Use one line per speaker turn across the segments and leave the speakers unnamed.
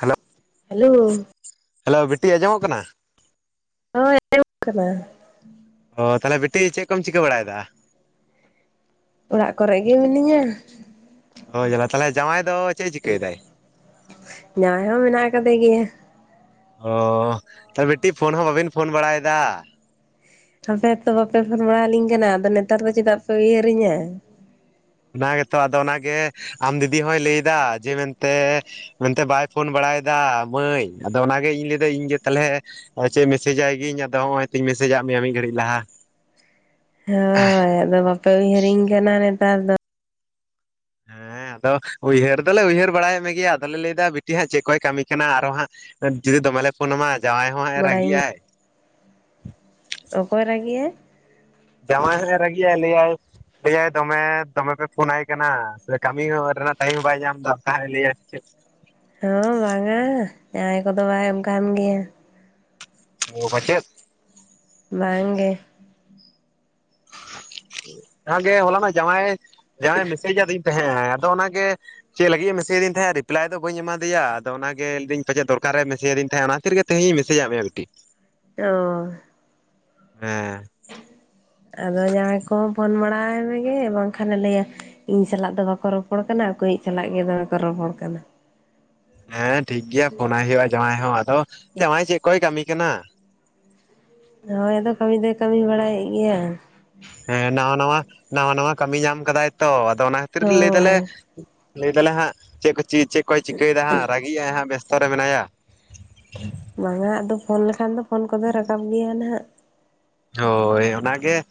Hello
hello
ᱟᱸᱡᱚᱢᱚᱜ ᱠᱟᱱᱟ
ᱟᱡᱚᱢᱜ ᱠᱟᱱᱟ ᱾
ᱚ ᱛᱟᱦᱚᱞᱮ ᱵᱤᱴᱤ ᱪᱮᱜ ᱠᱚᱢ ᱪᱤᱠᱟᱹ ᱵᱟᱲᱟᱭ ᱫᱟ?
ᱚᱲᱟᱜ ᱠᱚᱨᱮ ᱜᱮ ᱢᱤᱱᱤᱧᱟ᱾
ᱳᱻ ᱡᱟᱞᱟ‌ ᱛᱟᱞᱦᱮ ᱡᱟᱶᱟᱭ ᱫᱚ ᱪᱮᱜ ᱮ ᱪᱤᱠᱟᱹᱭ ᱫᱟᱭ?
ᱡᱟᱶᱟᱭ ᱦᱚᱸ ᱢᱮᱱᱟᱜ ᱟᱠᱟᱫᱮ ᱜᱮᱭᱟ
ᱚ ᱛᱚ ᱵᱤᱴᱤ ᱯᱷᱳᱱ ᱦᱚᱸ ᱵᱟᱵᱤᱱ ᱯᱷᱳᱱ ᱵᱟᱲᱟᱭ ᱫᱟ᱾
ᱟᱯᱮ ᱦᱚᱸ ᱛᱚ ᱵᱟᱯᱮ ᱯᱷᱳᱱ ᱵᱟᱲᱟᱣ ᱞᱤᱧ ᱠᱟᱱᱟ᱾ ᱟᱫᱚ ᱱᱮᱛᱟᱨ ᱫᱚ ᱪᱮᱫᱟᱜ ᱯᱮ ᱩᱭᱦᱟᱹᱨᱤᱧᱟ᱾
ᱚᱱᱟ ᱜᱮᱛᱚ ᱟᱫᱚ ᱚᱱᱟᱜᱮ ᱟᱢ ᱫᱤᱫᱤ ᱦᱚᱭ ᱞᱟᱹᱭᱫᱟ ᱡᱮ ᱢᱮᱱᱛᱮ ᱢᱮᱱᱛᱮ ᱵᱟᱭ ᱯᱷᱳᱱ ᱵᱟᱲᱟᱭᱮᱫᱟ ᱾ ᱢᱟᱹᱭ ᱟᱫᱚ ᱚᱱᱟᱜᱮ ᱤᱧ ᱞᱟᱹᱭᱫᱟ ᱤᱧᱜᱮ ᱛᱟᱦᱚᱞᱮ ᱟᱫᱚ ᱪᱮ ᱢᱮᱥᱮᱡᱟᱭ ᱜᱤᱧ ᱟᱫᱚ ᱱᱚᱜᱼᱚᱭ ᱛᱤᱧ ᱢᱮᱥᱮᱡᱟᱜ ᱢᱮᱭᱟ ᱢᱤᱫ ᱜᱷᱟᱹᱲᱤᱡ ᱞᱟᱦᱟ᱾
ᱦᱳᱭ ᱟᱫᱚ ᱵᱟᱯᱮ ᱩᱭᱦᱤᱨᱤᱧ ᱠᱟᱱᱟ ᱱᱮᱛᱟᱨ ᱫᱚ
ᱦᱮᱸ ᱟᱫᱚ ᱩᱭᱦᱟᱹᱨ ᱫᱚᱞᱮ ᱩᱭᱦᱟᱹᱨ ᱵᱟᱲᱟᱭᱮᱫ ᱢᱮ ᱜᱮᱭᱟ᱾ ᱟᱫᱚᱞᱮ ᱞᱟᱹᱭᱫᱟ ᱵᱤᱴᱤ ᱦᱟᱸᱜ ᱪᱮᱫ ᱠᱚᱭ ᱠᱟᱹᱢᱤ ᱠᱟᱱᱟ ᱟᱨᱚ ᱦᱟᱸᱜ ᱡᱩᱫᱤ ᱫᱚᱢᱮᱞᱮ ᱯᱷᱳᱱ ᱟᱢᱟ᱾ ᱡᱟᱶᱟᱭ ᱦᱚᱸ ᱦᱟᱜᱼ ᱮ ᱨᱟᱹᱜᱤᱜᱼ
ᱵᱟᱲᱟᱭᱟᱹᱧ
ᱟᱭ᱾
ᱚᱠᱚᱭ ᱨᱟᱹᱜᱤᱜᱼ ᱟᱭ?
ᱡᱟᱣᱟᱭ ᱦᱚᱭ ᱨᱟᱜᱤᱜᱼ ᱟᱭ ᱞᱟᱹᱭ ᱟᱭ ᱞᱟᱹᱭᱟᱭ ᱫᱚᱢᱮ ᱫᱚᱢᱮ ᱯᱮ ᱯᱷᱳᱱᱟᱭ ᱠᱟᱱᱟ᱾ ᱥᱮ ᱠᱟᱹᱢᱤ ᱨᱮᱱᱟᱜ ᱴᱟᱭᱤᱢ ᱦᱚᱸ ᱵᱟᱭ ᱧᱟᱢ ᱮᱫᱟ ᱛᱮ ᱞᱟᱹᱭᱟᱭ ᱪᱮᱫ
ᱦᱚᱸ ᱵᱟᱝᱼᱟ ᱾ ᱡᱟᱣᱟᱸᱭ ᱠᱚᱫᱚ ᱵᱟᱭ ᱚᱱᱠᱟᱱ ᱜᱮᱭᱟ᱾
ᱚᱻ ᱯᱟᱪᱮᱫ
ᱵᱟᱝᱜᱮ
ᱚᱱᱟᱜᱮ ᱦᱚᱞᱟ ᱢᱟ ᱡᱟᱶᱟᱭ ᱡᱟᱶᱟᱭ ᱢᱮᱥᱮᱡ ᱟᱹᱫᱤᱧ ᱛᱟᱦᱮᱸᱜ ᱟᱭ᱾ ᱟᱫᱚ ᱚᱱᱟᱜᱮ ᱪᱮᱫ ᱞᱟᱹᱜᱤᱫ ᱮᱢ ᱢᱮᱥᱮᱫᱤᱧ ᱛᱟᱦᱮᱸᱜᱼᱟ᱾ ᱨᱤᱯᱞᱟᱭ ᱫᱚ ᱵᱟᱹᱧ ᱮᱢᱟ ᱫᱮᱭᱟ᱾ ᱟᱫᱚ ᱚᱱᱟᱜᱮ ᱞᱟᱹᱭ ᱫᱟᱹᱧ ᱯᱟᱪᱮᱫ ᱫᱚᱨᱠᱟᱨᱮ ᱢᱮᱥᱮᱡ ᱟᱫᱹᱤᱧ ᱛᱟᱦᱮᱸᱜᱼᱟ ᱚᱱ [unintelligible] ᱜᱮ ᱛᱮᱦᱮᱧ ᱢᱮᱥᱮᱡᱟᱜ ᱢᱮᱭᱟ ᱵᱤᱴᱤ
ᱚ
[inaudible]
ᱟᱫᱚ ᱡᱟᱶᱟᱭ ᱠᱚᱦᱚᱸ ᱯᱷᱳᱱ ᱵᱟᱲᱟᱭ ᱢᱮᱜᱮ ᱵᱟᱝᱠᱷᱟᱱ ᱮ ᱞᱟᱹᱭᱟ ᱤᱧ ᱥᱟᱞᱟᱜ ᱫᱚ ᱵᱟᱠᱚ ᱨᱚᱯᱚᱲ ᱠᱟᱱᱟ᱾ ᱟᱠᱟᱹᱭᱤᱡ ᱥᱟᱞᱟᱜ ᱜᱮ ᱫᱚᱢᱮ ᱠᱚ ᱨᱚᱯᱚᱲ ᱠᱟᱱᱟ
ᱦᱮᱸ ᱴᱷᱤᱠ ᱜᱮᱭᱟ ᱯᱷᱳᱱᱟᱭ ᱦᱩᱭᱩᱜᱼᱟ᱾ ᱡᱟᱶᱟᱭ ᱦᱚᱸ ᱟᱫᱚ ᱡᱟᱶᱟᱭ ᱪᱮᱫ ᱠᱚᱭ ᱠᱟᱹᱢᱤ ᱠᱟᱱᱟ᱾
ᱦᱳᱭ ᱟᱫᱚ ᱠᱟᱹᱢᱤ ᱫᱚᱭ ᱠᱟᱹᱢᱤ ᱵᱟᱲᱟᱭ ᱮᱫ ᱜᱮᱭᱟ᱾
ᱦᱮᱸ ᱱᱟᱣᱟ- ᱱᱟᱣᱟ- ᱱᱟᱣᱟ ᱱᱟᱣᱟ ᱠᱟᱹᱢᱤ ᱧᱟᱢ ᱠᱟᱫᱟᱭ ᱛᱚ᱾ ᱟᱫᱚ ᱚᱱᱟ ᱠᱷᱟᱹᱛᱤᱨ ᱞᱟᱹᱭ ᱫᱟᱞᱮ
ᱦᱳᱭ
ᱞᱟᱹᱭ ᱫᱟᱞᱮ ᱦᱟᱸᱜ ᱪᱮᱫ ᱠᱚ ᱪᱮᱫ ᱪᱮᱫ ᱠᱚᱭ ᱪᱤᱠᱟᱹᱭ ᱮᱫᱟ᱾ ᱦᱟᱸᱜ ᱨᱟᱹᱜᱤᱜᱼᱟᱭ ᱦᱟᱸᱜ ᱵᱮᱥᱛᱚ ᱨᱮ ᱢᱮᱱᱟᱭᱟ᱾
ᱵᱟᱝᱟ ᱟᱫᱚ ᱯᱷᱳᱱ ᱞᱮᱠᱷᱟᱱ ᱫᱚ ᱯᱷᱳᱱ ᱠᱚᱫᱚᱭ ᱨᱟᱠᱟᱵ ᱜᱮᱭᱟ ᱱᱟᱦᱟᱜ
ᱦᱳᱭ ᱚᱱᱟ ᱜᱮ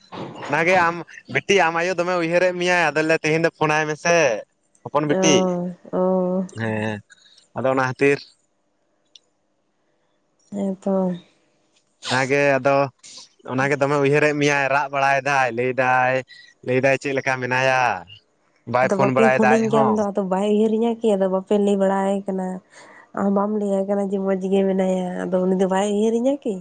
ᱚᱱᱟᱜᱮ ᱟᱢ ᱵᱤᱴᱤ ᱟᱢ ᱟᱭᱳ ᱫᱚᱢᱮ ᱩᱭᱦᱟᱹᱨᱮᱫ ᱢᱮᱭᱟᱭ ᱟᱫᱚᱞᱮ ᱛᱮᱦᱤᱧ ᱫᱚ ᱯᱷᱳᱱᱟᱭ ᱢᱮᱥᱮ ᱦᱚᱯᱚᱱ ᱵᱤᱴᱤ
ᱚ ᱚ
ᱦᱮᱸ ᱟᱫᱚ ᱚᱱᱟ ᱠᱷᱟᱹᱛᱤᱨ
ᱦᱮᱸ ᱛᱚ
ᱚᱱᱟᱜᱮ ᱟᱫᱚ ᱚᱱᱟᱜᱮ ᱫᱚᱢᱮ ᱩᱭᱦᱟᱹᱨ ᱫᱮᱜ ᱢᱮᱭᱟᱭ ᱨᱟᱜ ᱵᱟᱲᱟᱭ ᱮᱫᱟᱭ ᱞᱟᱹᱭᱫᱟᱭ ᱞᱟᱹᱭᱫᱟᱭ ᱪᱮᱫ ᱞᱮᱠᱟ ᱢᱮᱱᱟᱭᱟ ᱵᱟᱭ ᱯᱷᱳᱱ ᱵᱟᱲᱟᱭ ᱮᱫᱟ ᱟᱡ ᱦᱚᱸ
ᱛᱳ ᱵᱟᱭ ᱩᱭᱦᱟᱹᱨᱤᱧᱟᱹ ᱠᱤ ᱟᱫᱚ ᱵᱟᱯᱮ ᱞᱟᱹᱭ ᱵᱟᱲᱟᱭ ᱠᱟᱱᱟ ᱚ ᱢᱟᱢ ᱞᱟᱹᱭᱟᱭ ᱠᱟᱱᱟ ᱡᱮ ᱢᱚᱸᱡᱽ ᱜᱮ ᱢᱮᱱᱟᱭᱟ ᱟᱫᱚ ᱩᱱᱤ ᱫᱚ ᱵᱟᱭ ᱩᱭᱦᱟᱹᱨ ᱤᱧᱟ ᱠᱤ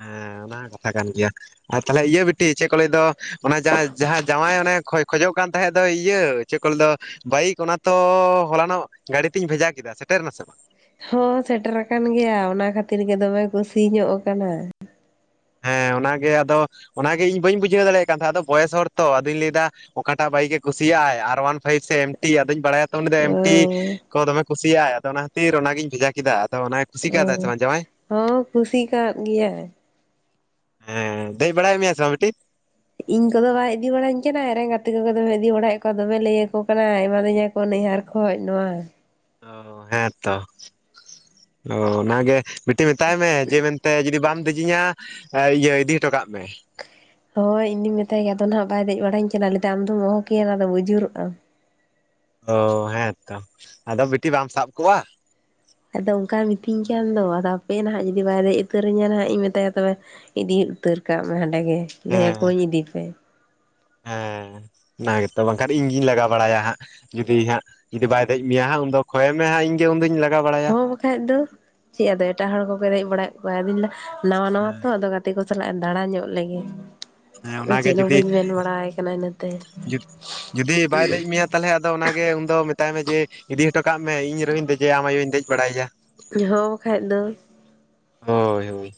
ᱦᱮᱸ ᱚᱱᱟ ᱦᱚᱸ ᱠᱟᱛᱷᱟ ᱠᱟᱱ ᱜᱮᱭᱟ ᱟ ᱛᱟᱦᱚᱞᱮ ᱤᱭᱟᱹ ᱵᱤᱴᱤ ᱪᱮᱫ ᱠᱚ ᱞᱟᱹᱭ ᱫᱚ ᱚᱱᱟ ᱡᱟᱦᱟᱸᱭ ᱡᱟᱦᱟ ᱡᱟᱸᱶᱟᱭ ᱚᱱᱮ ᱠᱷᱚᱭ ᱠᱷᱚᱡᱚᱜ ᱠᱟᱱ ᱛᱟᱦᱮᱸᱫ ᱫᱚ ᱤᱭᱟᱹ ᱪᱮᱫ ᱠᱚ ᱞᱟᱹᱫᱚ ᱵᱟᱭᱤᱠ ᱚᱱᱟ ᱛᱚᱻᱻᱦᱚᱞᱟᱱᱚᱜ ᱜᱟᱹᱰᱤ ᱛᱤᱧ ᱵᱷᱮᱡᱟ ᱠᱮᱫᱟ ᱥᱮᱴᱮᱨ ᱱᱟ ᱥᱮ ᱵᱟᱝ
ᱦᱚᱸ ᱥᱮᱴᱮᱨ ᱟᱠᱟᱱ ᱜᱮᱭᱟ ᱚᱱᱟ ᱠᱷᱟᱹᱛᱤᱨ ᱜᱮ ᱫᱚᱢᱮ ᱠᱩᱥᱤ ᱧᱚᱜ ᱠᱟᱱᱟᱭ
ᱦᱮᱸ ᱚᱱᱟᱜᱮ ᱟᱫᱚ ᱚᱱᱟᱜᱮ ᱤᱧ ᱵᱟᱹᱧ ᱵᱩᱡᱷᱟᱹᱣ ᱫᱟᱲᱮᱭᱟᱜ ᱠᱟᱱ ᱛᱟᱦᱮᱸᱫ ᱟᱫᱚ ᱵᱚᱭᱮᱥ ᱦᱚᱲ ᱛᱚ ᱟᱫᱚᱧ ᱞᱟᱹᱭᱫᱟ ᱚᱠᱟᱴᱟᱜ ᱵᱟᱭᱤᱠ ᱮ ᱠᱩᱥᱤᱭᱟᱜᱟᱭ ᱟᱨ ᱚᱣᱟᱱ ᱯᱷᱟᱭᱤ ᱥᱮ ᱮᱢ ᱴᱤ ᱟᱫᱚᱧ ᱵᱟᱲᱟᱭᱟᱛᱚ ᱩᱱᱤ
ᱚ
ᱮᱢᱴᱤ ᱠᱚ ᱫᱚᱢᱮ ᱠᱩᱥᱤᱭᱟᱜᱟᱭ ᱟᱫᱚ ᱚᱱᱟ ᱠᱷᱟᱹᱛᱤᱨ ᱚᱱᱟᱜᱤᱧ ᱵᱷᱮᱡᱟ ᱠᱮᱫᱟ ᱟᱫᱚ ᱚᱱᱟ
ᱚ ᱦᱚᱸ ᱠᱩᱥᱤ ᱠᱟᱜ ᱜᱮᱭᱟᱭ
ᱦᱮᱸ ᱫᱮᱡ ᱵᱟᱲᱟᱭᱮᱫ ᱢᱮᱭᱟ ᱥᱮ ᱵᱟᱝ ᱵᱤᱴᱤ
ᱤᱧ ᱠᱚᱫᱚ ᱵᱟᱭ ᱤᱫᱤ ᱵᱟᱲᱟᱧ ᱠᱟᱱᱟ ᱟᱡᱨᱮᱱ ᱜᱟᱛᱮ ᱠᱚ ᱫᱚᱢᱮ ᱤᱫ ᱵᱟᱲᱟᱭᱮᱫ ᱠᱚᱣᱟ ᱫᱚᱢᱮ ᱞᱟᱹᱭᱟᱠᱚ ᱠᱟᱱᱟ ᱮᱢᱟ ᱫᱤᱧᱟ ᱠᱚ ᱠᱚ ᱱᱟᱹᱭᱦᱟᱨ ᱠᱷᱚᱡ ᱱᱚᱣᱟ
ᱚ ᱦᱮᱸ ᱛᱚ ᱚ ᱚᱱᱟ ᱜᱮ ᱵᱤᱴᱤ ᱢᱮᱛᱟᱭ ᱢᱮ ᱡᱮ ᱢᱮᱱᱛᱮ ᱡᱩᱫᱤ ᱵᱟᱢ ᱫᱮᱡᱤᱧᱟ ᱤᱭᱟᱹ ᱤᱫᱤ ᱦᱚᱴᱚ ᱠᱟᱜ ᱢᱮ
ᱦᱳᱭ ᱤᱧᱫᱚᱧ ᱢᱮᱛᱟᱭ ᱜᱮᱭᱟ ᱟᱫᱚ ᱱᱟᱦᱟᱜ ᱵᱟᱭ ᱫᱮᱡ ᱵᱟᱲᱟᱧ ᱠᱟᱱᱟ ᱞᱟᱹᱭᱟ ᱟᱢᱫᱚᱢ ᱚᱦᱚᱠᱮᱭᱟᱢ ᱚᱱᱟᱫᱚᱢ ᱩᱭᱡᱩᱨᱚᱜᱼᱟᱢ
ᱚ ᱦᱮᱸᱛᱚ ᱟᱫᱚ ᱵᱤᱴᱤ ᱵᱟᱢ ᱥᱟᱵ ᱠᱚᱜᱼᱟ
ᱟᱫᱚ ᱚᱱᱠᱟᱭ ᱢᱤᱛᱟᱹᱧ ᱠᱟᱱ ᱫᱚ ᱟᱫᱚ ᱟᱯᱮ ᱱᱟᱦᱟᱜ ᱡᱩᱫᱤ ᱵᱟᱭ ᱫᱮᱡ ᱩᱛᱟᱹᱨᱤᱧᱟ ᱱᱟᱦᱟᱜ ᱤᱧ ᱢᱮᱛᱟᱭᱟ ᱛᱚᱵᱮ ᱤᱫᱤ ᱩᱛᱟᱹᱨ ᱠᱟᱜ ᱢᱮ ᱦᱟᱸᱰᱮ ᱜᱮ ᱞᱟᱹᱭ
ᱦᱮᱸ
ᱟᱠᱚᱣᱟᱹᱧ ᱤᱫᱤᱯᱮ
ᱦᱮᱸ ᱚᱱᱟ ᱜᱮᱛᱚ ᱵᱟᱝᱠᱷᱟᱱ ᱤᱧ ᱜᱤᱧ ᱞᱟᱜᱟ ᱵᱟᱲᱟᱭᱟ ᱦᱟᱸᱜ ᱡᱩᱫᱤ ᱦᱟᱸᱜ ᱡᱩᱫᱤ ᱵᱟᱭ ᱫᱮᱡ ᱢᱮᱭᱟᱜ ᱩᱱᱫᱚ ᱠᱷᱚᱭᱮ ᱢᱮ ᱦᱟᱸᱜ ᱤᱧᱜᱮ ᱩᱱᱫᱚᱧ ᱞᱟᱜᱟ ᱵᱟᱲᱟᱭᱟ
ᱦᱚᱸ ᱵᱟᱠᱷᱟᱡ ᱫᱚ ᱪᱮᱫ ᱟᱫᱚ ᱮᱴᱟᱜ ᱦᱚᱲ ᱠᱚᱠᱚ ᱫᱮᱡ ᱵᱟᱲᱟᱭᱮᱫ ᱠᱚᱣᱟᱭ ᱵᱤᱱ ᱫᱟ ᱱᱟᱣᱟ ᱱᱟᱣᱟ ᱛᱚ ᱟᱫᱚ ᱜᱟᱛᱮ ᱠᱚ ᱥᱟᱞᱟᱜᱼ ᱮ ᱫᱟᱬᱟ ᱧᱚᱜ ᱞᱮᱜᱮ
ᱦᱮᱸ
ᱟᱫᱚ
ᱚᱱᱟᱜᱮ
ᱪᱮᱫ ᱦᱚᱸ
ᱡᱩᱫᱤ
ᱵᱟᱹᱧ ᱢᱮᱱ ᱵᱟᱲᱟᱭ ᱠᱟᱱᱟ ᱤᱱᱟᱹᱛᱮ
ᱡᱤᱫ ᱡᱩᱫᱤ ᱵᱟᱭ ᱫᱮᱡ ᱢᱮᱭᱟ ᱛᱟᱦᱚᱞᱮ ᱟᱫᱚ ᱚᱱᱟᱜᱮ ᱩᱱᱫᱚ ᱢᱮᱛᱟᱭ ᱢᱮ ᱡᱮ ᱤᱫᱤ ᱦᱚᱴᱚ ᱠᱟᱜ ᱢᱮ ᱤᱧ ᱨᱮᱦᱚᱧ ᱦᱚᱸ ᱫᱮᱡᱮᱭᱟ ᱟᱢ ᱟᱭᱳᱧ ᱫᱮᱡ ᱵᱟᱲᱟᱭᱮᱭᱟ
ᱦᱚᱸ ᱵᱟᱠᱷᱟᱡ ᱫᱚ
ᱦᱳᱭ ᱦᱳᱭ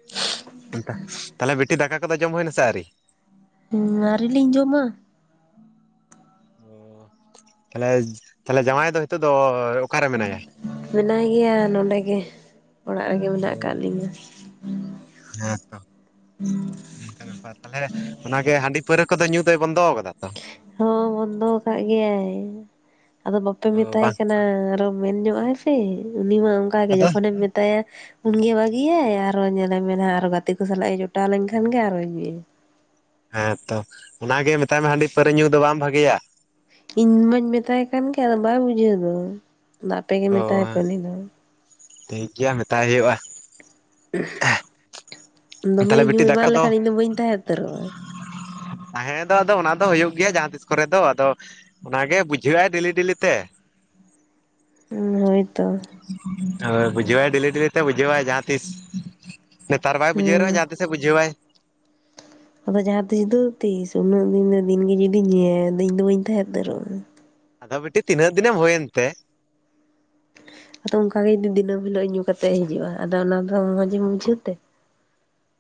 [inaudible]
[inaudible] ᱛᱟᱦᱚᱞᱮ ᱵᱤᱴᱤ ᱫᱟᱠᱟ ᱠᱚᱫᱚ ᱡᱚᱢ ᱦᱩᱭᱱᱟᱥᱮ ᱟᱹᱣᱨᱤ?
ᱩᱸᱻᱟᱣᱨᱤᱞᱤᱧ ᱡᱚᱢᱟ
ᱚ ᱛᱟᱦᱚᱞᱮ ᱛᱟᱦᱚᱞᱮ ᱡᱟᱢᱟᱭ ᱫᱚ ᱱᱤᱛᱚᱜ ᱫᱚᱭ ᱚᱠᱟᱨᱮ ᱢᱮᱱᱟᱭᱟ?
ᱢᱮᱱᱟᱭ ᱜᱮᱭᱟ ᱱᱚᱰᱮ ᱜᱮ ᱚᱲᱟᱜ ᱨᱮᱜᱮ ᱢᱮᱱᱟᱜ ᱟᱠᱟᱫ
ᱚ
ᱞᱤᱧᱟᱹ
ᱦᱮᱸᱛᱚ ᱚᱱᱠᱟ ᱵᱮᱯᱟᱨ ᱛᱟᱦᱚᱞᱮ ᱚᱱᱟᱜᱮ ᱦᱟᱺᱰᱤ ᱯᱟᱹᱣᱨᱟᱹ ᱠᱚᱫᱚ ᱧᱩ ᱫᱚᱭ ᱵᱚᱱᱫᱚ ᱟᱠᱟᱫᱟ ᱛᱚ
ᱦᱚᱸ ᱵᱚᱱᱫᱚ ᱟᱠᱟᱫ ᱜᱮᱭᱟᱭ ᱟᱫᱚ ᱵᱟᱯᱮ
ᱚ
ᱢᱮᱛᱟᱭ
ᱵᱟᱝ
ᱠᱟᱱᱟ ᱨᱚᱵ ᱢᱮᱱ ᱧᱚᱜᱟᱭ ᱯᱮ ᱩᱱᱤ ᱢᱟ ᱚᱱᱠᱟᱜᱮ
ᱟᱫᱚ
ᱡᱚᱠᱷᱚᱱᱮᱢ ᱢᱮᱛᱟᱭᱟ ᱩᱱᱜᱮ ᱵᱷᱟᱹᱜᱤᱭᱟᱭ ᱟᱨᱚ ᱧᱮᱞᱮᱢᱮᱱ ᱦᱟᱜ ᱨᱚᱜᱟ ᱜᱟᱛᱮ ᱠᱚ ᱥᱟᱞᱟᱜ ᱮ ᱡᱚᱴᱟᱣ ᱞᱮᱱᱠᱷᱟᱱ ᱜᱮ ᱟᱨᱚᱭ ᱧᱩᱭᱭᱟ
ᱦᱮᱸᱛᱚ ᱚᱱᱟᱜ ᱜᱮ ᱢᱮᱛᱟᱭ ᱢᱮ ᱦᱟᱺᱰᱤ ᱯᱟᱹᱨᱟᱹ ᱧᱩ ᱫᱚ ᱵᱟᱝ ᱵᱷᱟᱜᱮᱭᱟ
ᱤᱧ ᱢᱟᱧ ᱢᱮᱛᱟᱭ ᱠᱟᱱ ᱜᱮ ᱟᱫᱚ ᱵᱟᱭ ᱵᱩᱡᱷᱟᱹᱣ ᱫᱚ ᱟᱫᱚ ᱟᱯᱮ ᱜᱮ ᱢᱮᱛᱟᱭ
ᱚ
ᱯᱮ ᱩᱱᱤ ᱫᱚ
ᱴᱷᱤᱠ ᱜᱮᱭᱟ ᱢᱮᱛᱟᱭ ᱦᱳᱭᱳᱜᱼᱟ
ᱫᱚᱢᱮ
ᱛᱟᱦᱚᱞᱮ
ᱧᱩ ᱮᱢᱟᱱ ᱞᱮᱠᱷᱟᱱ ᱤᱧ ᱫᱚ ᱵᱟᱹᱧ ᱛᱟᱦᱮᱸ ᱩᱛᱟᱹᱨᱚᱜᱼᱟ
ᱛᱟᱦᱮᱸ ᱫᱚ ᱟᱫᱚ ᱚᱱᱟ ᱫᱚ ᱦᱩᱭᱩᱜ ᱜᱮᱭᱟ ᱡᱟᱦᱟᱸ ᱛᱤᱥ ᱠᱚᱨᱮ ᱫᱚ ᱟᱫᱚ ᱚᱱᱟ ᱜᱮ ᱵᱩᱡᱷᱟᱹᱣᱟᱭ ᱰᱮᱞᱤ ᱰᱮᱞᱤ ᱛᱮ
ᱦᱩᱸ ᱦᱳᱭᱛᱚ
ᱦᱳᱭ ᱵᱩᱡᱷᱟᱹᱣᱟᱭ ᱰᱮᱞᱤ ᱰᱮᱞᱤ ᱛᱮ ᱵᱩᱡᱷᱟᱹᱣᱟᱭ ᱡᱟᱦᱟᱸ ᱛᱤᱥ ᱱᱮᱛᱟᱨ ᱵᱟᱭ ᱵᱩᱡᱷᱟᱹᱣ ᱨᱮᱦᱚᱸ
ᱦᱩᱸ
ᱡᱟᱦᱟᱸ ᱛᱤᱥ ᱪᱮ ᱵᱩᱡᱷᱟᱹᱣᱟᱭ
ᱟᱫᱚ ᱡᱟᱦᱟᱸ ᱛᱤᱥ ᱫᱚ ᱛᱤᱥ ᱩᱱᱟᱹᱜ ᱫᱤᱱ ᱫᱤᱱ ᱜᱮ ᱡᱩᱫᱤ ᱧᱩᱭᱟᱭ ᱟᱫᱚ ᱤᱧ ᱫᱚ ᱵᱟᱹᱧ ᱛᱟᱦᱮᱸ ᱩᱛᱟᱹᱨᱚᱜᱼᱟ᱾
ᱟᱫᱚ ᱵᱤᱴᱤ ᱛᱤᱱᱟᱹᱜ ᱫᱤᱱᱮᱢ ᱦᱩᱭᱮᱱ ᱛᱮ?
ᱟᱫᱚ ᱚᱱᱠᱟ ᱜᱮ ᱡᱩᱫᱤ ᱫᱤᱱᱟᱹᱢ ᱦᱤᱞᱳᱜ ᱧᱩ ᱠᱟᱛᱜ ᱮ ᱦᱤᱡᱩᱜᱼᱟ ᱟᱫᱚ ᱚᱱᱟᱫᱚ ᱢᱚᱸᱡ ᱮᱢ ᱵᱩᱡᱷᱟᱹᱣ ᱛᱮ?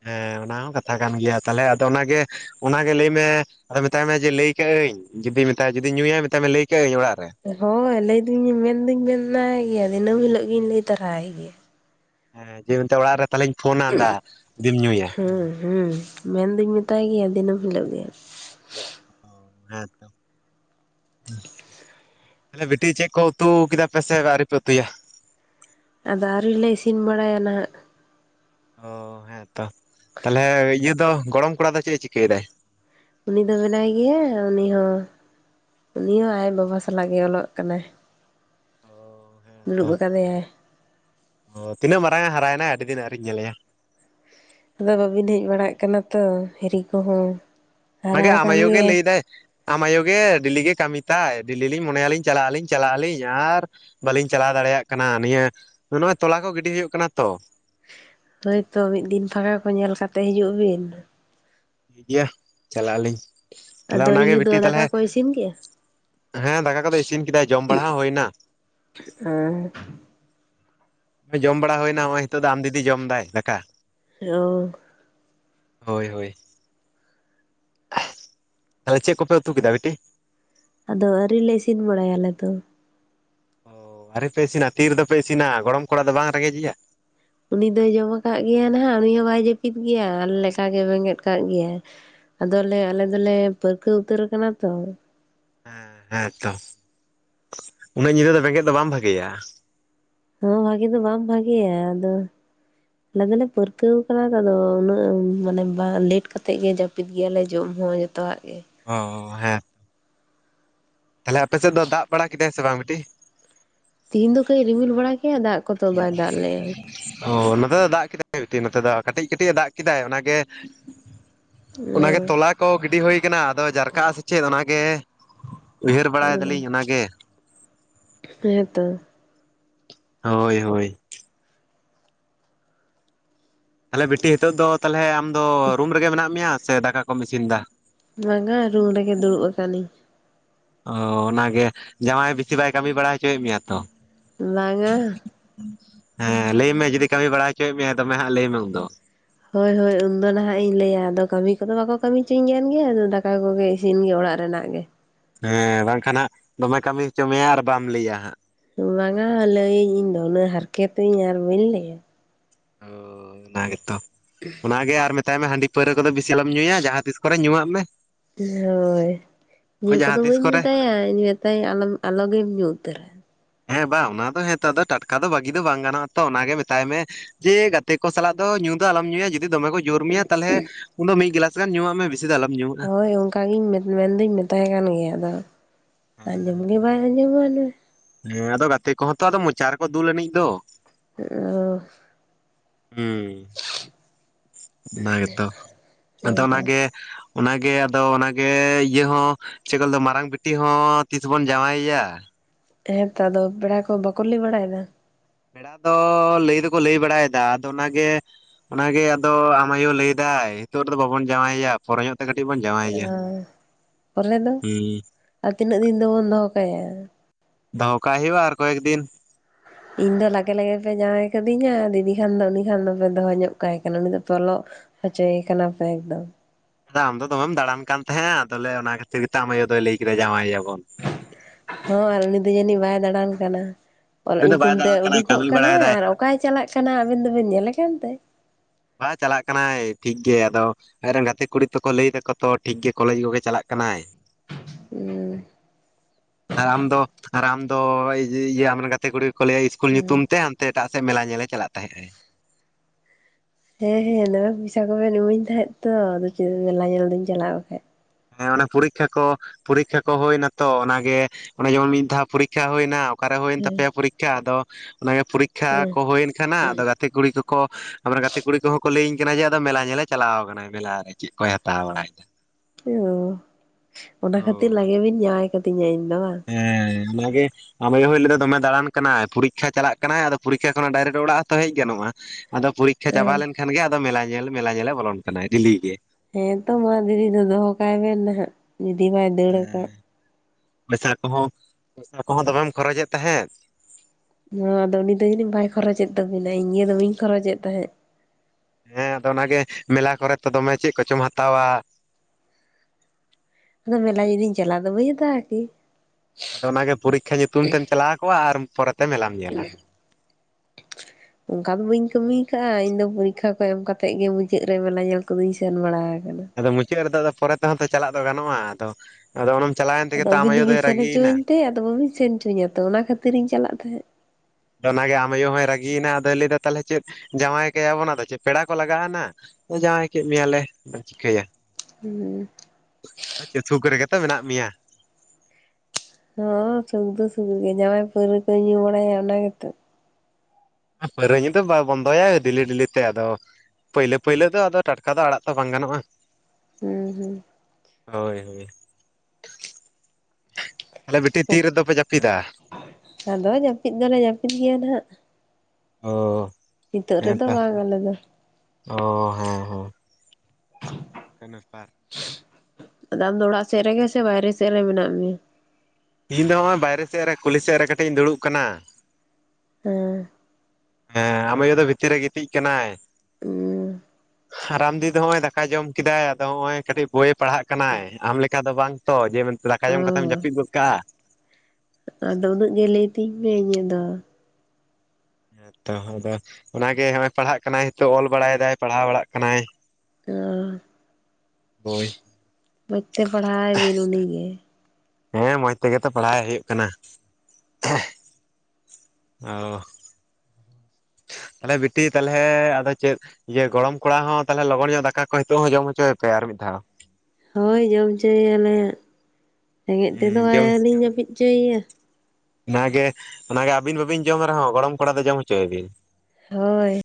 ᱦᱮᱸ ᱚᱱᱟ ᱦᱚᱸ ᱠᱟᱛᱷᱟ ᱠᱟᱱ ᱜᱮᱭᱟ ᱛᱟᱦᱚᱞᱮ ᱟᱫᱚ ᱚᱱᱟᱜᱮ ᱚᱱᱟᱜᱮ ᱞᱟᱹᱭ ᱢᱮ ᱟᱫᱚ ᱢᱮᱛᱟᱭ ᱢᱮ ᱡᱮ ᱞᱟᱹᱭ ᱠᱟᱜ ᱟᱹᱧ ᱡᱩᱫᱤ ᱢᱮᱛᱟᱭᱟ ᱡᱩᱫᱤ ᱧᱩᱭᱟ ᱢᱮᱛᱟᱭ ᱢᱮ ᱞᱟᱹᱭ ᱠᱟᱜᱟᱹᱧ ᱚᱲᱟᱜ ᱨᱮ,
ᱦᱳᱭ ᱞᱟᱹᱭᱫᱤᱧ ᱢᱮᱱᱫᱚᱧ ᱢᱮᱱᱟᱭ ᱜᱮᱭᱟ ᱫᱤᱱᱟᱹᱢ ᱦᱤᱞᱳᱜ ᱜᱤᱧ ᱞᱟᱹᱭ ᱛᱟᱨᱟᱭ ᱜᱮᱭᱟ᱾
ᱦᱮᱸ ᱡᱮ ᱮᱛᱮ ᱚᱲᱟᱜ ᱨᱮ ᱛᱟᱦᱚᱞᱮᱧ ᱯᱷᱳᱱᱟ ᱟᱫᱟ ᱡᱩᱫᱤ ᱧᱩᱭᱟ᱾
ᱦᱩᱸ ᱦᱩᱸ ᱢᱮᱱᱫᱚᱧ ᱢᱮᱛᱟᱭ ᱜᱮᱭᱟ ᱫᱤᱱᱟᱹᱢ ᱦᱤᱞᱳᱜ ᱜᱮ᱾
ᱦᱮᱸ ᱛᱚ ᱛᱟᱞᱦᱮ ᱵᱤᱴᱤ ᱪᱮᱫ ᱠᱚ ᱩᱛᱩ ᱠᱮᱫᱟ ᱯᱮ ᱥᱮ ᱟᱹᱣᱨᱤ ᱯᱮ ᱩᱛᱩᱭᱟ?
ᱟᱫᱟ ᱟᱹᱣᱨᱤ ᱞᱮ ᱤᱥᱤᱱ ᱵᱟᱲᱟᱭᱟ ᱱᱟᱦᱟᱜ᱾
ᱚ ᱦᱮᱸ ᱛᱚ ᱛᱟᱦᱚᱞᱮ ᱤᱭᱟᱹ ᱫᱚ ᱜᱚᱲᱚᱢ ᱠᱚᱲᱟ ᱫᱚ ᱪᱮᱫ ᱮ ᱪᱤᱠᱟᱹᱭᱮᱫᱟᱭ?
ᱩᱱᱤ ᱫᱚ ᱢᱮᱱᱟᱭ ᱜᱮᱭᱟ ᱩᱱᱤ ᱦᱚᱸ ᱩᱱᱤ ᱦᱚᱸ ᱟᱡ ᱵᱟᱵᱟ ᱥᱟᱞᱟᱜ ᱜᱮ ᱚᱞᱚᱜ ᱠᱟᱱᱟ᱾
ᱚ ᱦᱮᱸᱛᱚ
ᱫᱩᱲᱩᱵ ᱟᱠᱟᱫᱮᱭᱟᱭ,
ᱚ ᱛᱤᱱᱟᱹᱜ ᱢᱟᱨᱟᱝᱮ ᱦᱟᱨᱟᱭᱮᱱᱟ ᱟᱹᱰᱤ ᱫᱤᱱ ᱟᱣᱨᱤᱧ ᱧᱮᱞᱮᱭᱟ?
ᱟᱫᱚ ᱵᱟᱹᱵᱤᱱ ᱦᱮᱡ ᱵᱟᱲᱟᱜ ᱠᱟᱱᱟ ᱛᱚ ᱦᱤᱨᱤ ᱠᱚᱦᱚᱸ? ᱦᱟᱨᱟ
ᱚᱱᱟᱜᱮ ᱟᱢ
ᱟᱠᱟᱱ
ᱟᱭᱳ ᱜᱮ
ᱜᱮᱭᱟᱭ᱾
ᱞᱟᱹᱭᱫᱟᱭ, ᱟᱢ ᱟᱭᱳ ᱜᱮ ᱰᱮᱞᱤ ᱜᱮ ᱠᱟᱹᱢᱤ ᱛᱟᱭ ᱰᱮᱞᱤ ᱞᱤᱧ ᱢᱚᱱᱮᱭᱟᱞᱤᱧ ᱪᱟᱞᱟᱜ ᱟᱹᱞᱤᱧ ᱪᱟᱞᱟᱜ ᱟᱹᱞᱤᱧ ᱟᱨ ᱵᱟᱹᱞᱤᱧ ᱪᱟᱞᱟᱣ ᱫᱟᱲᱮᱭᱟᱜ ᱠᱟᱱᱟ ᱱᱤᱭᱟᱹ ᱱᱚᱜᱼᱚᱭ ᱛᱚᱞᱟ ᱠᱚ ᱜᱤᱰᱤ ᱦᱩᱭᱩᱜ ᱠᱟᱱᱟ ᱛᱚ,
ᱦᱳᱭᱛᱚ ᱢᱤᱫ ᱫᱤᱱ ᱯᱷᱟᱠᱟ ᱠᱚ ᱧᱮᱞ ᱠᱟᱛᱮ ᱦᱤᱡᱩᱜ ᱵᱤᱱ?
ᱴᱷᱤᱠ ᱜᱮᱭᱟ ᱪᱟᱞᱟᱜ ᱟᱹᱞᱤᱧ᱾ ᱛᱟᱞᱦᱮ
ᱟᱫᱚ
ᱚᱱᱟᱜᱮ
ᱟᱭᱩ ᱫᱚ
ᱵᱤᱴᱤ ᱛᱟᱞᱦᱮ
ᱫᱟᱠᱟ ᱠᱚ ᱤᱥᱤᱱ ᱠᱮᱜᱼᱟ?
ᱦᱮᱸ ᱫᱟᱠᱟ ᱠᱚᱫᱚ ᱤᱥᱤᱱ ᱠᱮᱫᱟᱭ ᱡᱚᱢ ᱵᱟᱲᱟ ᱦᱚᱸ ᱦᱩᱭ ᱮᱱᱟ᱾
ᱦᱮᱸ
ᱡᱚᱢ ᱵᱟᱲᱟ ᱦᱩᱭᱮᱱᱟ ᱱᱚᱜ ᱚᱭ ᱱᱤᱛᱚᱜ ᱫᱚ ᱟᱢ ᱫᱤᱫᱤ ᱡᱚᱢ ᱫᱟᱭ ᱫᱟᱠᱟ ᱾
ᱚ
ᱦᱳᱭ ᱦᱳᱭ ᱾ ᱛᱟᱦᱚᱞᱮ ᱪᱮᱫ ᱠᱚᱯᱮ ᱩᱛᱩ ᱠᱮᱫᱟ ᱵᱤᱴᱤ?
ᱟᱫᱚ ᱟᱹᱨᱤᱞᱮ ᱤᱥᱤᱱ ᱵᱟᱲᱟᱭᱟ ᱟᱞᱮ ᱫᱚ ᱾
ᱟᱨᱤ ᱯᱮ ᱤᱥᱤᱱᱟ ᱛᱤ ᱨᱮᱯᱮ ᱤᱥᱤᱱᱟ ᱜᱚᱲᱚᱢ ᱠᱚᱲᱟ ᱫᱚ ᱵᱟᱝ ᱨᱮᱜᱮᱡ ᱮᱭᱟ?
ᱩᱱᱤ ᱫᱚᱭ ᱡᱚᱢ ᱠᱟᱫ ᱜᱮᱭᱟ ᱱᱟᱦᱟᱜ ᱩᱱᱤ ᱦᱚᱸ ᱵᱟᱭ ᱡᱟᱹᱯᱤᱫ ᱜᱮᱭᱟ ᱟᱞᱮ ᱞᱮᱠᱟᱜᱮ ᱵᱮᱸᱜᱮᱫ ᱠᱟᱜ ᱜᱮᱭᱟ ᱾ ᱟᱫᱚᱞᱮ ᱟᱞᱮ
ᱚ
ᱫᱚᱞᱮ ᱯᱟᱹᱨᱠᱟᱹ ᱩᱛᱟᱹᱨ ᱟᱠᱟᱱᱟ ᱛᱚ ᱾
ᱦᱮᱸ ᱦᱮᱸᱛᱚ ᱩᱱᱟᱹᱜ ᱧᱤᱫᱟᱹ ᱫᱚ ᱵᱮᱸᱜᱮᱫ ᱫᱚ ᱵᱟᱝ ᱵᱷᱟᱜᱮᱤᱭᱟ ᱾
ᱦ ᱵᱷᱟᱜᱤ ᱫᱚ ᱵᱟᱝᱢ ᱵᱷᱟᱜᱮᱤᱭᱟ ᱟᱫᱚ, ᱟᱞᱮ ᱫᱚᱞᱮ ᱯᱟᱹᱨᱠᱟᱹᱣ ᱠᱟᱱᱟ ᱟᱫᱚ ᱩᱱᱟᱹᱜ ᱢᱟᱱᱮ ᱵᱟᱝ ᱞᱮᱴ ᱠᱟᱛᱮᱫ ᱜᱮ ᱡᱟᱹᱯᱤᱫ ᱜᱮᱭᱟᱞᱮ ᱡᱚᱢ ᱦᱚᱸᱚᱛ ᱾ ᱡᱚᱛᱚᱣᱟᱜ ᱜᱮ ᱾
ᱚ ᱦᱮᱸ ᱛᱟᱦᱚᱞᱮ ᱟᱯᱮ ᱥᱮᱫ ᱫᱚ ᱫᱟᱜ ᱵᱟᱲᱟ ᱠᱮᱫᱮᱟᱭ ᱥᱮ ᱵᱟᱝ ᱵᱤᱴᱤ ᱾
ᱛᱤᱦᱤᱧ ᱫᱚ ᱠᱟᱹᱡ ᱨᱤᱢᱤᱞ ᱵᱟᱲᱟ ᱠᱮᱭᱟ ᱫᱟᱜ ᱠᱚᱫᱚ ᱵᱟᱭ ᱫᱟᱜ ᱞᱮ-ᱟ ᱾
ᱚ ᱱᱚᱛᱮ ᱫᱚ ᱫᱟᱜ ᱠᱮᱫᱟᱭ ᱱᱚᱛᱮ ᱫᱚ ᱠᱟᱹᱴᱤᱡ ᱠᱟᱹᱴᱤᱡ ᱮ ᱫᱟᱜ ᱠᱮᱫᱟᱭ ᱚᱱᱟᱜᱮ ᱚᱱᱟᱜᱮ ᱛᱚᱞᱟ
ᱚ
ᱠᱚ ᱜᱤᱰᱤ ᱦᱩᱭ ᱠᱟᱱᱟ ᱟᱫᱚ ᱡᱟᱨᱠᱟᱜᱼᱟ ᱥᱮ ᱪᱮᱫ ᱚᱱᱟᱜᱮ! ᱩᱭᱦᱟᱹᱨ ᱵᱟᱲᱟᱭ ᱫᱟᱞᱤᱧ ᱚᱱᱟᱜᱮ ᱾
ᱦᱮᱸᱛᱚ ᱾
ᱦᱳᱭ ᱦᱳᱭ ᱾ ᱛᱟᱦᱚᱞᱮ ᱵᱤᱴᱤ ᱱᱤᱛᱚᱜ ᱫᱚ ᱛᱟᱦᱚᱞᱮ ᱟᱢ ᱫᱚ ᱨᱩᱢ ᱨᱮᱜᱮ ᱢᱮᱱᱟᱜ ᱢᱮᱭᱟ ᱥᱮ ᱫᱟᱠᱟ ᱠᱚᱢ ᱤᱥᱤᱱ ᱮᱫᱟ?
ᱵᱟᱝᱟ ᱨᱩᱢ ᱨᱮᱜᱮ ᱫᱩᱲᱩᱵ ᱟᱠᱟᱱᱟᱼᱤᱧ ᱾
ᱚ ᱚᱱᱟᱜᱮ ᱡᱟᱶᱟᱭ ᱵᱮᱥᱤ ᱵᱟᱭ ᱠᱟᱹᱢᱤ ᱵᱟᱲᱟ ᱦᱚᱪᱚᱭᱮᱫ ᱢᱮᱭᱟ ᱛᱚ?
ᱵᱟᱝᱜᱟ ᱾
ᱦᱮᱸ ᱞᱟᱹᱭ ᱢᱮ ᱡᱩᱫᱤ ᱠᱟᱹᱢᱤ ᱵᱟᱲᱟ ᱦᱚᱪᱚᱭᱮᱫ ᱢᱮᱭᱟ ᱫᱚᱢᱮ ᱦᱟᱸᱜ ᱞᱟᱹᱭ ᱢᱮ ᱩᱱᱫᱚ?
ᱦᱳᱭ ᱦᱳᱭ ᱩᱱᱫᱚ ᱱᱟᱦᱟᱜ ᱤᱧ ᱞᱟᱹᱭᱟ, ᱟᱫᱚ ᱠᱟᱹᱢᱤ ᱠᱚᱫᱚ ᱵᱟᱠᱚ ᱠᱟᱹᱢᱤ ᱦᱚᱪᱚᱧ ᱠᱟᱱ ᱜᱮᱭᱟ ᱟᱫᱚ ᱫᱟᱠᱟ ᱠᱚᱜᱮ ᱤᱥᱤᱱ ᱜᱮ ᱚᱲᱟᱜ ᱨᱮᱱᱟᱜ ᱜᱮ ᱾
ᱦᱮᱸ ᱵᱟᱝᱠᱷᱟᱱ ᱦᱟᱸᱜ, ᱫᱚᱢᱮ ᱠᱟᱹᱢᱤ ᱦᱚᱪᱚ ᱢᱮᱭᱟ ᱟᱨ ᱵᱟᱢ ᱞᱟᱹᱭᱟ ᱦᱟᱸᱜ᱾
ᱵᱟᱝᱟ ᱞᱟᱹᱭᱟᱹᱧ ᱤᱧᱫᱚ ᱩᱱᱟᱹᱜ ᱦᱟᱨᱠᱮᱛᱤᱧ ᱟᱨ ᱵᱟᱹᱧ ᱞᱟᱹᱭᱟ ᱾
ᱳ ᱚᱱᱟ ᱜᱮᱛᱚ᱾
[unintelligible]
ᱚᱱᱟᱜᱮ ᱟᱨ ᱢᱮᱛᱟᱭ ᱢᱮ ᱦᱟᱺᱰᱤ ᱯᱟᱹᱣᱨᱟᱹ ᱠᱚᱫᱚ ᱵᱤᱥᱤ ᱟᱞᱚᱢ ᱧᱩᱭᱟ ᱡᱟᱦᱟᱸ ᱛᱤᱥ ᱠᱚᱨᱮ ᱧᱩᱣᱟᱜ ᱢᱮ ᱾
ᱦᱳᱭ,
ᱳᱭ
ᱧᱩ
ᱡᱟᱦᱟᱸ
ᱠᱚᱫᱚ
ᱛᱤᱥ
ᱵᱟᱹᱧ
ᱠᱚᱨᱮ
ᱢᱮᱛᱟᱭᱟ ᱤᱧ ᱢᱮᱛᱟᱭ ᱟᱞᱚᱢ ᱟᱞᱚᱜᱮᱢ ᱧᱩ ᱩᱛᱟᱹᱨᱟ ᱾
ᱦᱮᱸ ᱵᱟᱝ ᱚᱱᱟ ᱫᱚ ᱦᱮᱸᱛᱚ ᱴᱟᱴᱠᱟ ᱫᱚ ᱵᱟᱹᱜᱤ ᱫᱚ ᱵᱟᱝ ᱜᱟᱱᱚᱜᱼᱟ ᱛᱚ ᱚᱱᱟᱜᱮ ᱢᱮᱛᱟᱭ ᱢᱮ ᱾ ᱡᱮ ᱜᱟᱛᱮ ᱠᱚ ᱥᱟᱞᱟᱜ ᱫᱚ ᱧᱩ ᱫᱚ ᱟᱞᱚᱢ ᱧᱩᱭᱟ ᱡᱩᱫᱤ ᱫᱚᱢᱮ ᱠᱚ ᱡᱳᱨ ᱢᱮᱭᱟ ᱛᱟᱞᱦᱮ, ᱩᱱ ᱫᱚ ᱢᱤᱫ ᱜᱞᱟᱥ ᱜᱟᱱ ᱧᱩᱣᱟᱜ ᱢᱮ ᱾ ᱵᱤᱥᱤ ᱫᱚ ᱟᱞᱚᱢ ᱧᱩᱣᱟ ᱾
ᱦᱳᱭ ᱚᱱᱠᱟᱜᱮᱧ ᱢᱮ-ᱢᱮᱱᱫᱩᱧ ᱢᱮᱛᱟᱭ ᱠᱟᱱ ᱜᱮᱭᱟ ᱟᱫᱚ ᱾ ᱟᱸᱡᱚᱢ ᱜᱮ ᱵᱟᱭ ᱟᱸᱡᱚᱢᱟ ᱱᱩᱭ ᱾
ᱦᱮᱸ, ᱟᱫᱚ ᱜᱟᱛᱮ ᱠᱚᱦᱚᱸ ᱛᱚ ᱟᱫᱚ ᱢᱚᱪᱟ ᱨᱮᱠᱚ ᱫᱩᱞ ᱟᱱᱤᱡ ᱫᱚ ᱾
[unintelligible] ᱳ
ᱦᱩᱸ ᱚᱱᱟ ᱜᱮᱛᱚ, ᱟᱫᱚ
ᱦᱮᱸᱛᱚ
ᱚᱱᱟᱜᱮ ᱚᱱᱟᱜᱮ ᱟᱫᱚ ᱚᱱᱟᱜᱮ ᱤᱭᱟᱹ ᱦᱚᱸ, ᱪᱮᱫ ᱠᱚ ᱫᱚ ᱢᱟᱨᱟᱝ ᱵᱤᱴᱤ ᱦᱚᱸ ᱛᱤᱥ ᱵᱚᱱ ᱡᱟᱶᱟᱭᱟ?
ᱦᱮᱸᱛᱚ ᱟᱫᱚ, ᱯᱮᱲᱟ ᱠᱚ ᱵᱟᱠᱚ ᱞᱟᱹᱭ ᱵᱟᱲᱟᱭᱫᱟ?
ᱯᱮᱲᱟ ᱫᱚ ᱞᱟᱹᱭ ᱫᱚᱠᱚ ᱞᱟᱹᱭ ᱵᱟᱲᱟᱭᱫᱟ ᱟᱫᱚ ᱚᱱᱟᱜᱮ ᱚᱱᱟᱜᱮ ᱟᱫᱚ ᱟᱢ ᱟᱭᱳ ᱞᱟᱹᱭᱫᱟᱭ ᱱᱤᱛᱚᱜ ᱨᱮᱫᱚ ᱵᱟᱵᱚᱱ ᱡᱟᱶᱟᱭᱟ ᱯᱚᱨᱮ ᱧᱚᱜ ᱠᱟᱹᱴᱤᱡ ᱵᱚᱱ ᱡᱟᱶᱟᱭᱟ,
ᱯᱚᱨᱮ ᱫᱚ
ᱦᱩᱸ
ᱟᱨ ᱛᱤᱱᱟᱹᱜ ᱫᱤᱱ ᱫᱚᱵᱚᱱ ᱫᱚᱦᱚ ᱠᱟᱭᱟ?
ᱫᱚᱦᱚ ᱠᱟᱜ ᱦᱳᱭᱳᱜ ᱟᱨ ᱠᱚᱭᱮᱠ ᱫᱤᱱ ᱾
ᱤᱧ ᱫᱚ ᱞᱟᱜᱮ-ᱞᱟᱜᱮ ᱯᱮ ᱡᱟᱶᱟᱭ ᱠᱟᱹᱫᱤᱧᱟ ᱫᱤᱫᱤ ᱠᱷᱟᱱ ᱫᱚ ᱩᱱᱤ ᱠᱷᱟᱱ ᱫᱚᱯᱮ ᱫᱚᱦᱚ ᱧᱚᱜ ᱠᱟᱭ ᱠᱟᱱᱟ ᱩᱱᱤ ᱫᱚ ᱯᱚᱞᱚᱜ ᱦᱚᱪᱚᱭᱮ ᱠᱟᱱᱟ ᱯᱮ ᱮᱠᱫᱚᱢ᱾
ᱟᱫᱚ ᱟᱢ ᱫᱚᱢᱮᱢ ᱫᱟᱬᱟᱱ ᱠᱟᱱ ᱛᱟᱦᱮᱸᱜᱼᱟ, ᱟᱫᱚᱞᱮ ᱚᱱᱟ ᱠᱷᱟᱹᱛᱤᱨ ᱜᱮᱛᱮ ᱟᱢ ᱟᱭᱳ ᱫᱚᱭ ᱞᱟᱹᱭ ᱠᱮᱫᱟ ᱡᱟᱣᱟᱭᱟᱵᱚᱱ᱾
ᱦᱚᱸ ᱟᱨ ᱩᱱᱤ ᱫᱚ ᱡᱟᱹᱱᱤᱡ ᱵᱟᱭ ᱫᱟᱬᱟᱱ ᱠᱟᱱᱟ᱾ ᱚᱞᱚᱜ
ᱩᱱᱤ ᱫᱚ ᱵᱟᱭ
ᱧᱩᱛᱩᱢ ᱛᱮ
ᱫᱟᱬᱟᱱ ᱠᱟᱱᱟᱭ
ᱩᱰᱩᱠᱚᱜ
ᱠᱟᱹᱢᱤ
ᱠᱟᱱᱟ
ᱵᱟᱲᱟᱭᱮᱫᱟᱭ
ᱟᱨ ᱚᱠᱟᱭ ᱪᱟᱞᱟᱜ ᱠᱟᱱᱟ ᱟᱵᱤᱱ ᱫᱚᱵᱤᱱ ᱧᱮᱞᱮ ᱠᱟᱱᱟᱱ ᱛᱮ?
ᱯᱟᱲᱦᱟᱜ ᱮ ᱪᱟᱞᱟᱜ ᱠᱟᱱᱟᱭ, ᱴᱷᱤᱠ ᱜᱮ ᱟᱫᱚ ᱟᱡ ᱨᱮᱱ ᱜᱟᱛᱮ ᱠᱩᱲᱤ ᱛᱚᱠᱚ ᱞᱟᱹᱭ ᱫᱟᱠᱚ ᱛᱚ ᱴᱷᱤᱠ ᱜᱮ ᱠᱚᱞᱮᱡᱽ ᱠᱚᱜᱮ ᱪᱟᱞᱟᱜ ᱠᱟᱱᱟᱭ᱾
ᱦᱩᱸ
ᱟᱨ ᱟᱢ ᱫᱚ ᱟᱢ ᱛᱚ ᱤ-ᱤᱭᱟᱹ ᱟᱢ ᱨᱮᱱ ᱜᱟᱛᱮ ᱠᱩᱲᱤ ᱠᱚ ᱠᱚ ᱞᱟᱹᱭᱟ ᱤᱥᱠᱩᱞ
ᱦᱩᱸ
ᱧᱩᱛᱩᱢ ᱛᱮ ᱦᱟᱱᱛᱮ ᱮᱴᱟᱜ ᱥᱮᱫ ᱢᱮᱞᱟ ᱧᱮᱞᱮ ᱪᱟᱞᱟᱜ ᱛᱟᱦᱮᱸᱜ ᱟᱭ᱾
ᱦᱮᱸ ᱦᱮᱸ ᱱᱚᱣᱟ ᱯᱚᱭᱥᱟ ᱠᱚᱵᱮᱱ ᱤᱢᱟᱹᱧ ᱛᱟᱦᱮᱸᱫ ᱛᱚ ᱟᱫᱚ ᱪᱮᱫ ᱢᱮᱞᱟ ᱧᱮᱞ ᱫᱩᱧ ᱪᱟᱞᱟᱜ ᱵᱟᱠᱷᱟᱡ᱾
ᱦᱮᱸ ᱚᱱᱮ ᱯᱩᱨᱤᱠᱠᱷᱟ ᱠᱚ, ᱯᱚᱨᱤᱠᱠᱷᱟ ᱠᱚ ᱦᱩᱭᱱᱟ ᱛᱚ ᱚᱱᱟᱜᱮ ᱚᱱᱮ ᱡᱮᱢᱚᱱ ᱢᱤᱫ ᱫᱷᱟᱣ ᱯᱩᱨᱤᱠᱠᱷᱟ ᱦᱩᱭᱱᱟ᱾ ᱚᱠᱟᱨᱮ ᱦᱳᱭᱮᱱ
ᱦᱮᱸ
ᱛᱟᱯᱮᱭᱟ ᱯᱩᱨᱤᱠᱠᱷᱟ ᱟᱫᱚ, ᱚᱱᱟᱜᱮ ᱯᱚᱨᱤᱠᱠᱷᱟ ᱠᱚ
ᱦᱮᱸ
ᱦᱩᱭᱮᱱ ᱠᱷᱟᱱ ᱟᱫᱚ ᱜᱟᱛᱮ ᱠᱩᱲᱤ ᱠᱚᱠᱚ ᱟᱢ ᱨᱮᱱ ᱜᱟᱛᱮ ᱠᱩᱲᱤ ᱠᱚᱦᱚᱸ ᱠᱚ ᱞᱟᱹᱭᱟᱹᱧ ᱠᱟᱱᱟ, ᱡᱮ ᱟᱫᱚ ᱢᱮᱞᱟ ᱧᱮᱞᱮ ᱪᱟᱞᱟᱣ ᱠᱟᱱᱟᱭ ᱢᱮᱞᱟᱨᱮ ᱪᱮᱫ ᱠᱚᱭ ᱦᱟᱛᱟᱣ ᱵᱟᱲᱟᱭ᱾ᱫᱟ
ᱚ ᱚᱱᱟ ᱠᱷᱟᱹᱛᱤᱨ
ᱦᱳᱭ
ᱞᱟᱜᱮ ᱵᱤᱱ ᱡᱟᱶᱟᱭ ᱠᱟᱫᱤᱧᱟ ᱤᱧ ᱫᱚ ᱵᱟᱝ᱾
ᱦᱮᱸ ᱚᱱᱟᱜᱮ ᱟᱵᱚᱭ ᱦᱚᱸᱭ ᱞᱟᱹᱭ ᱮᱫᱟ ᱫᱚᱢᱮ ᱫᱟᱬᱟᱱ ᱠᱟᱱᱟᱭ, ᱯᱩᱨᱤᱠᱠᱷᱟ ᱪᱟᱞᱟᱜ ᱠᱟᱱᱟᱭ ᱟᱫᱚ ᱯᱩᱨᱤᱠᱠᱷᱟ ᱠᱷᱚᱱᱟᱜ ᱰᱟᱭᱨᱮᱠᱴ ᱚᱲᱟᱜ ᱦᱚᱸᱛᱚ ᱦᱮᱡ ᱜᱟᱱᱚᱜᱼᱟ᱾ ᱟᱫᱚ ᱯᱚᱨᱤᱠᱠᱷᱟ
ᱚ
ᱪᱟᱵᱟ ᱞᱮᱱᱠᱷᱟᱱ ᱜᱮ ᱟᱫᱚ ᱢᱮᱞᱟ ᱧᱮᱞ ᱢᱮᱞᱟ ᱧᱮᱞᱮ ᱵᱚᱞᱚᱱ ᱠᱟᱱᱟ ᱰᱮᱞᱤ ᱜᱮ᱾
ᱦᱮᱸᱛᱚ ᱢᱟ ᱫᱤᱫᱤ ᱫᱚ ᱫᱚᱦᱚ ᱠᱟᱭ ᱵᱮᱱ ᱱᱟᱦᱟᱜ, ᱡᱩᱫᱤ ᱵᱟᱭ ᱫᱟᱹᱲ
ᱦᱮᱸ
ᱠᱟᱜ᱾
ᱯᱚᱭᱥᱟ ᱠᱚᱦᱚᱸ, ᱯᱚᱭᱥᱟ ᱠᱚᱦᱚᱸ ᱫᱚᱢᱮᱢ ᱠᱷᱚᱨᱚᱪᱮᱜ ᱛᱟᱦᱮᱸᱜ᱾
ᱚ ᱟᱫᱚ ᱩᱱᱤ ᱫᱚ ᱡᱟᱹᱱᱤᱡ ᱵᱟᱭ ᱠᱷᱚᱨᱚᱪᱮᱜ ᱛᱟᱵᱤᱱᱟ ᱤᱧᱜᱮ ᱫᱚᱢᱟᱹᱧ ᱠᱷᱚᱨᱚᱪᱮᱜ ᱛᱟᱦᱮᱸᱜ᱾
ᱦᱮᱸ ᱟᱫᱚ ᱚᱱᱟᱜᱮ ᱢᱮᱞᱟ ᱠᱚᱨᱮ ᱛᱚ ᱫᱚᱢᱮ ᱪᱮᱫ ᱠᱚᱪᱚᱢ ᱦᱟᱛᱟᱣᱟ᱾
ᱟᱫᱚ ᱢᱮᱞᱟ ᱡᱩᱫᱤᱧ ᱪᱟᱞᱟᱜ ᱟᱫᱚ ᱵᱟᱹᱧ ᱦᱟᱛᱟᱣᱟ ᱠᱤ᱾
ᱟᱫᱚ ᱚᱱᱟᱜᱮ ᱯᱚᱨᱤᱠᱠᱷᱟ ᱧᱩᱛᱩᱢ ᱛᱮᱢ ᱪᱟᱞᱟᱣ ᱠᱚᱜᱼᱟ, ᱟᱨ ᱯᱚᱨᱮᱛᱮ ᱢᱮᱞᱟᱢ ᱧᱮᱞᱟ᱾
ᱚᱝᱠᱟ ᱫᱚ ᱵᱟᱹᱧ ᱠᱟᱹᱢᱤ ᱟᱠᱟᱫᱟᱼᱟ ᱤᱧᱫᱚ ᱯᱚᱨᱤᱠᱷᱟ ᱠᱚ ᱮᱢ ᱠᱟᱛᱮᱫ ᱜᱮ ᱢᱩᱪᱟᱹᱫ ᱨᱮ ᱢᱮᱞᱟ ᱧᱮᱞ ᱠᱚᱫᱚᱧ ᱥᱮᱱ ᱵᱟᱲᱟ ᱠᱟᱱᱟ᱾
ᱟᱫᱚ ᱢᱩᱪᱟᱹᱫ ᱨᱮᱫᱚ ᱟᱫᱚ ᱯᱚᱨᱮ ᱛᱮᱦᱚᱸ ᱛᱚ ᱪᱟᱞᱟᱜ ᱫᱚ ᱜᱟᱱᱚᱜᱼᱟ, ᱟᱫᱚ ᱟᱫᱚ ᱚᱱᱮᱢ ᱪᱟᱞᱟᱣᱮᱱ ᱛᱮᱜᱮ
ᱟᱫᱚ
ᱛᱚ ᱟᱢ
ᱟᱹᱵᱤᱱ
ᱟᱭᱳ
ᱫᱚᱵᱤᱱ
ᱫᱚᱭ
ᱥᱮᱱ
ᱨᱟᱹᱜᱤᱭᱱᱟ᱾
ᱦᱚᱪᱚᱣᱟᱹᱧ ᱛᱮ ᱟᱫᱚ ᱵᱟᱵᱤᱱ ᱥᱮᱱ ᱚᱪᱚᱧᱟ ᱛᱚ ᱚᱱᱟ ᱠᱷᱟᱹᱛᱤᱨ ᱤᱧ ᱪᱟᱞᱟᱜ ᱛᱟᱦᱮᱸᱜ᱾
ᱟᱫᱚ ᱚᱱᱟᱜᱮ ᱟᱢ ᱟᱭᱳ ᱦᱚᱸᱭ ᱨᱟᱹᱜᱤᱭᱮᱱᱟ ᱟᱫᱚᱭ ᱞᱟᱹᱭᱫᱟ ᱛᱟᱦᱚᱞᱮ ᱪᱮᱫ, ᱡᱟᱶᱟᱭ ᱠᱟᱭᱟᱵᱚᱱ ᱟᱫᱚ ᱪᱮᱫ ᱯᱮᱲᱟ ᱠᱚ ᱞᱟᱜᱟᱜᱼᱟ ᱱᱟ᱾ ᱡᱟᱶᱟᱭ ᱠᱮᱫ ᱢᱮᱭᱟᱞᱮ ᱪᱤᱠᱟᱹᱭᱟ᱾
ᱦᱩᱸ
ᱟᱫᱚ ᱪᱮᱫ ᱥᱩᱠ ᱨᱮᱜᱮᱛᱚ ᱢᱮᱱᱟᱜ ᱢᱮᱭᱟ
ᱦᱚ ᱥᱩᱠ ᱫᱚ ᱥᱩᱠ ᱜᱮ ᱡᱟᱶᱟᱭ ᱯᱟᱹᱣᱨᱟᱹ ᱠᱚᱭ ᱧᱩ ᱵᱟᱲᱟᱭᱟ ᱚᱱᱟ ᱜᱮᱛᱚ
ᱯᱟᱹᱣᱨᱟᱹ ᱧᱩ ᱫᱚ ᱵᱟᱭ ᱵᱚᱱᱫᱚᱭᱟ ᱰᱮᱞᱤ ᱰᱮᱞᱤ ᱛᱮ ᱟᱫᱚ ᱯᱟᱹᱭᱞᱟᱹ ᱯᱟᱹᱭᱞᱟᱹ ᱫᱚ ᱟᱫᱚ ᱴᱟᱴᱠᱟ ᱫᱚ ᱟᱲᱟᱜ ᱛᱚ ᱵᱟᱝ ᱜᱟᱱᱚᱜᱼᱟ
ᱦᱩᱸ ᱦᱩᱸ
ᱦᱳᱭ ᱦᱳᱭ ᱛᱟᱦᱚᱞᱮ ᱵᱤᱴᱤ ᱛᱤ
ᱦᱩᱸ
ᱨᱮᱫᱚ ᱯᱮ ᱡᱟᱹᱯᱤᱫᱟ
ᱟᱫᱚ ᱡᱟᱹᱯᱤᱫ ᱫᱚᱞᱮ ᱡᱟᱹᱯᱤᱫ ᱜᱮᱭᱟ ᱱᱟᱜ
ᱳ
ᱦᱤᱛᱚᱜ ᱨᱮᱫᱚ ᱵᱟᱝ ᱟᱞᱮ ᱫᱚ
ᱚ ᱦᱮ ᱦᱮ ᱤᱱᱠᱟᱱ ᱵᱮᱯᱟᱨ
ᱟᱫᱚ ᱟᱢ ᱫᱚ ᱚᱲᱟᱜ ᱥᱮᱫ ᱨᱮᱜᱮ ᱥᱮ ᱵᱟᱭᱨᱮ ᱥᱮᱫ ᱨᱮ ᱢᱮᱱᱟᱜ ᱢᱮᱭᱟ
ᱤᱧ ᱫᱚ ᱦᱚᱜᱼᱚᱭ ᱵᱟᱭᱨᱮ ᱥᱮᱫ ᱨᱮ ᱠᱩᱞᱤ ᱥᱮᱫ ᱨᱮ ᱠᱟᱹᱴᱤᱡ ᱤᱧ ᱫᱩᱲᱩᱵ ᱠᱟᱱᱟ
ᱦᱮᱸ
ᱦᱮᱸ ᱟᱢ ᱟᱭᱳ ᱫᱚ ᱵᱷᱤᱛᱤᱨ ᱨᱮ ᱜᱤᱛᱤᱡ ᱠᱟᱱᱟᱭ
[unintelligible]
ᱦᱟᱨ ᱟᱢ ᱫᱤᱫᱤ ᱦᱚᱸᱜ ᱚᱭ ᱫᱟᱠᱟ ᱡᱚᱢ ᱠᱮᱫᱟᱭ ᱟᱫᱚ ᱱᱚᱜ ᱚᱭ ᱠᱟᱹᱴᱤᱡ ᱵᱳᱭᱮ ᱯᱟᱲᱦᱟᱜ ᱠᱟᱱᱟᱭ ᱟᱢ ᱞᱮ ᱠᱟ ᱫᱚ ᱵᱟᱝ ᱛᱚ ᱡᱮ ᱫᱟᱠᱟ ᱡᱚᱢ ᱠᱟᱛᱮᱢ
ᱚ
ᱡᱟᱹᱯᱤᱫ ᱜᱚᱫ ᱠᱟᱜᱼᱟ
ᱟᱫᱚ ᱩᱱᱟᱹᱜ ᱜᱮ ᱞᱟᱹᱭᱛᱤᱧ ᱢᱮ ᱤᱧᱟᱜ ᱫᱚ
ᱦᱮᱸᱛᱚ ᱟᱫᱚ ᱚᱱᱟᱜᱮ ᱦᱚᱜᱼᱚᱭ ᱯᱟᱲᱦᱟᱜ ᱠᱟᱱᱟᱭ ᱦᱤᱛᱳᱜ ᱚᱞ ᱵᱟᱲᱟᱭ ᱫᱟᱭ ᱯᱟᱲᱦᱟᱣ ᱵᱟᱲᱟᱜ ᱠᱟᱱᱟᱭ
ᱚ
ᱦᱳᱭ
ᱢᱚᱸᱡᱽ ᱛᱮ ᱯᱟᱲᱦᱟᱣ ᱮ ᱵᱤᱱ ᱩᱱᱤ ᱜᱮ
ᱦᱮᱸ ᱢᱚᱸᱡᱽ ᱛᱮᱜᱮ ᱛᱚ ᱯᱟᱲᱦᱟᱣ ᱮ ᱦᱩᱭᱩᱜ ᱠᱟᱱᱟ ᱚ
[inaudible]
ᱛᱟᱞᱦᱮ ᱵᱤᱴᱤ ᱛᱟᱞᱦᱮ ᱟᱫᱚ ᱪᱮᱫ ᱤᱭᱟᱹ ᱜᱚᱲᱚᱢ ᱠᱚᱲᱟ ᱦᱚᱸ ᱛᱟᱦᱚᱞᱮ ᱞᱚᱜᱚᱱ ᱧᱚᱜ ᱫᱟᱠᱟ ᱠᱚ ᱦᱤᱛᱚᱜ ᱦᱚᱸ ᱡᱚᱢ ᱦᱚᱪᱚᱭᱮᱯᱮ ᱟᱨ ᱢᱤᱫ ᱫᱷᱟᱣ
ᱦᱳᱭ ᱡᱚᱢ ᱦᱚᱪᱚᱭ ᱭᱟᱞᱮ ᱨᱮᱸᱜᱮᱡ
ᱦᱩᱸ
ᱛᱮᱫᱚ
ᱡᱚᱢ
ᱵᱟᱞᱤᱧ ᱡᱟᱹᱯᱤᱫ ᱪᱚᱭᱭᱟ
ᱚᱱᱟ ᱜᱮ ᱚᱱᱟ ᱜᱮ ᱟᱹᱵᱤᱱ ᱵᱟᱹᱵᱤᱱ ᱡᱚᱢ ᱨᱮᱦᱚᱸ ᱜᱚᱲᱚᱢ ᱠᱚᱲᱟ ᱫᱚ ᱡᱚᱢ ᱦᱚᱪᱚᱭᱮᱵᱤᱱ
ᱦᱳᱭ